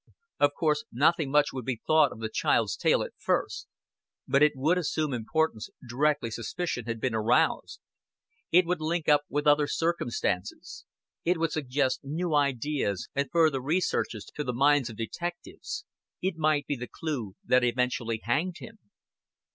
Of course nothing much would be thought of the child's tale at first; but it would assume importance directly suspicion had been aroused; it would link up with other circumstances, it would suggest new ideas and further researches to the minds of detectives, it might be the clue that eventually hanged him.